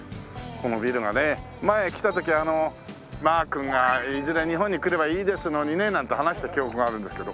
前来た時は「マー君がいずれ日本に来ればいいですのにね」なんて話した記憶があるんですけど。